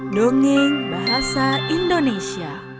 nongeng bahasa indonesia